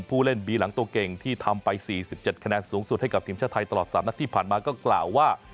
ผู้เล่นบีหลังตัวเก่งที่ทำไป๔๗คะแนนสูงสุดให้กับทีมชาติไทยตลอด๓นัดที่ผ่านมาก็กล่าวว่า